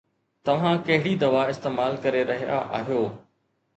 توهان ڪهڙي دوا استعمال ڪري رهيا آهيو؟